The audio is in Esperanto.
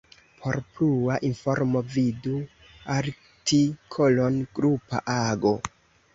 Por plua informo vidu artikolon grupa ago.